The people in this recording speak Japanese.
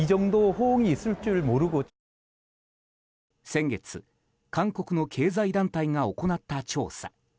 先月韓国の経済団体が行った調査。